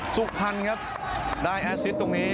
สุภัณฑ์ครับได้แอซิสต์ตรงนี้